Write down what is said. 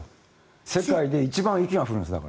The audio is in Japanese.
世界で一番雪が降るんです。